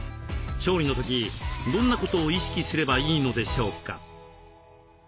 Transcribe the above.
調理の時どんなことを意識すればいいのでしょうか？